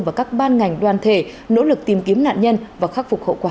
và các ban ngành đoàn thể nỗ lực tìm kiếm nạn nhân và khắc phục hậu quả